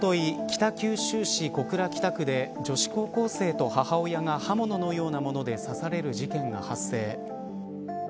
北九州市小倉北区で女子高校生と母親が刃物のようなもので刺される事件が発生。